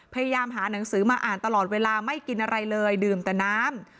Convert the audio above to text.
พยายามหาหนังสือมาอ่านตลอดเวลาไม่กินอะไรเลยดื่มแต่น้ำ